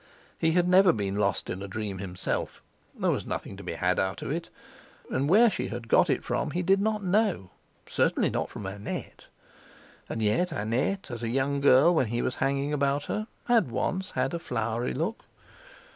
He had never been lost in a dream himself—there was nothing to be had out of it; and where she got it from he did not know! Certainly not from Annette! And yet Annette, as a young girl, when he was hanging about her, had once had a flowery look.